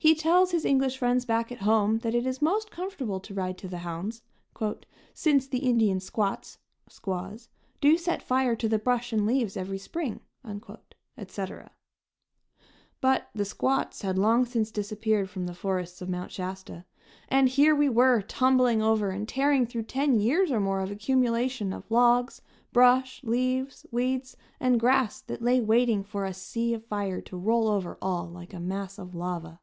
He tells his English friends back at home that it is most comfortable to ride to the hounds, "since the Indian squats (squaws) do set fire to the brush and leaves every spring," etc. But the "squats" had long since disappeared from the forests of Mount Shasta; and here we were tumbling over and tearing through ten years' or more of accumulation of logs, brush, leaves, weeds and grass that lay waiting for a sea of fire to roll over all like a mass of lava.